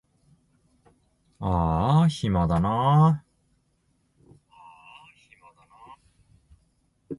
あーあ暇だな